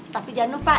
tapi jangan lupa